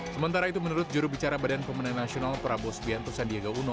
sementara itu menurut jurubicara badan pemenang nasional prabowo sbianto sandiaga uno